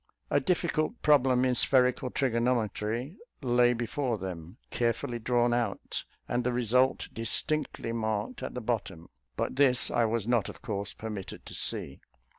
A difficult problem in spherical trigonometry lay before them, carefully drawn out, and the result distinctly marked at the bottom; but this I was not, of course, permitted to see.